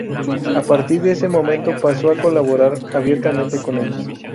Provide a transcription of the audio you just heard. A partir de ese momento, pasó a colaborar abiertamente con ellos.